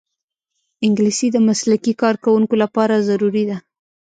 انګلیسي د مسلکي کارکوونکو لپاره ضروري ده